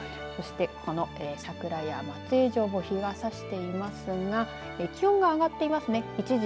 そして、この桜や松江城も日が差していますが気温が上がっていますね。